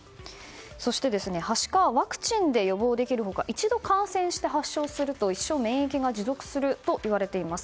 そして、はしかはワクチンで予防できる他一度感染して発症すると一生免疫が持続するといわれています。